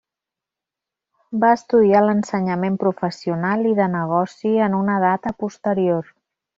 Va estudiar l'ensenyament professional i de negoci en una data posterior.